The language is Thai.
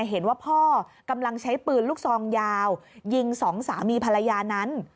เห็นว่าพ่อกำลังใช้ปืนลูกซองยาวยิงสองสามีภรรยานั้น